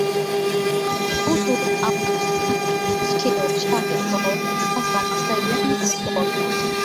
na utu au nafsi yake si cheo chake Kwa sasa Wamasai wengi wamekuwa Wakristo